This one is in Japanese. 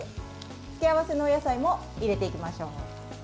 付け合わせのお野菜も入れていきましょう。